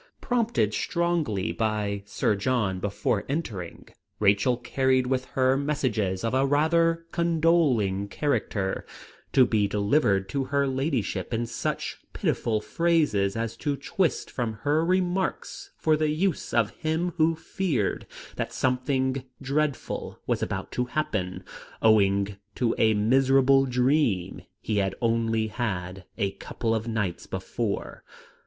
Prompted strongly by Sir John before entering, Rachel carried with her messages of a rather condoling character, to be delivered to her ladyship in such pitiful phrases as to twist from her remarks for the use of him who feared that something dreadful was about to happen owing to a miserable dream he had only a couple of nights before.